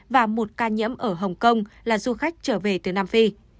và một ca nhiễm ở hồng kông là du khách trở về từ nam phi